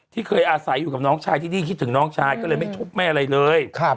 ที่เคยอาศัยอยู่กับน้องชายที่นี่คิดถึงน้องชายก็เลยไม่ทุบแม่อะไรเลย